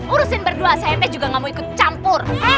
urusin berdua saya teh juga gak mau ikut campur